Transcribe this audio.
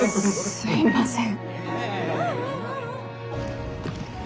すいません。